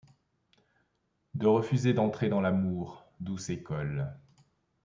De refuser d'entrer dans l'amour, douce école